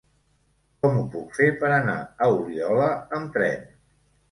Com ho puc fer per anar a Oliola amb tren?